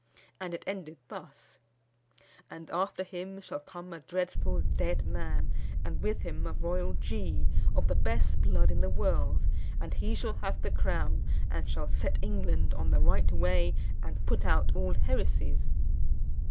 And it ended thus: "And after him shall come a dreadful dead man, and with him a royal G, of the best blood in the world; and he shall have the crown, and shall set England on the right way, and put out all heresies."